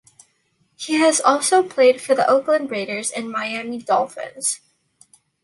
He has also played for the Oakland Raiders and Miami Dolphins.